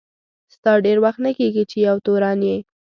ستا ډېر وخت نه کیږي چي یو تورن یې.